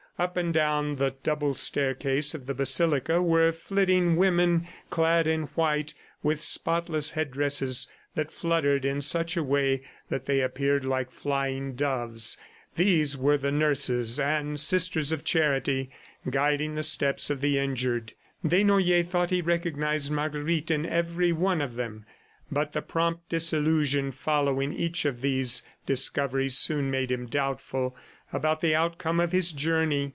Up and down the double staircase of the basilica were flitting women, clad in white, with spotless headdresses that fluttered in such a way that they appeared like flying doves. These were the nurses and Sisters of Charity guiding the steps of the injured. Desnoyers thought he recognized Marguerite in every one of them, but the prompt disillusion following each of these discoveries soon made him doubtful about the outcome of his journey.